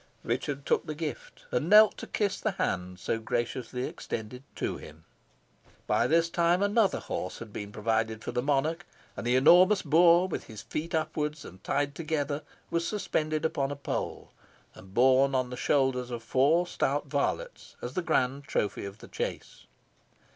Richard took the gift, and knelt to kiss the hand so graciously extended to him. By this time another horse had been provided for the monarch, and the enormous boar, with his feet upwards and tied together, was suspended upon a pole, and borne on the shoulders of four stout varlets as the grand trophy of the chase.